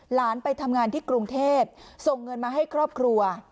หลานไปทำงานที่กรุงเทพส่งเงินมาให้ครอบครัว